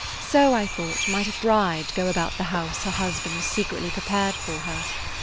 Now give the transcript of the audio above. So, I thought, might a bride go about the house her husband secretly prepared for her.